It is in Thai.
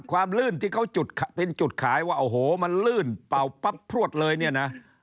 ลื่นที่เขาจุดเป็นจุดขายว่าโอ้โหมันลื่นเป่าปั๊บพลวดเลยเนี่ยนะ